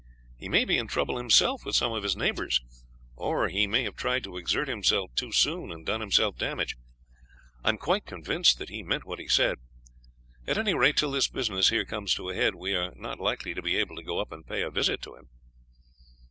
He may be in trouble himself with some of his neighbors, or he may have tried to exert himself too soon and done himself damage. I am quite convinced that he meant what he said. At any rate, till this business here comes to a head, we are not likely to be able to go up and pay a visit to him."